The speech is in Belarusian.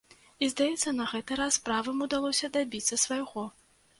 І, здаецца, на гэты раз правым удалося дабіцца свайго.